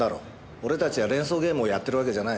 俺たちは連想ゲームをやってるわけじゃない。